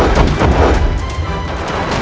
kisah kisah yang terjadi di dalam hidupku